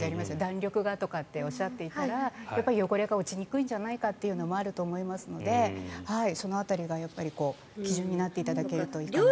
弾力がとかっておっしゃっていたら汚れが落ちにくいんじゃないかというのもあると思いますのでその辺りが基準になっていただけるといいかと思います。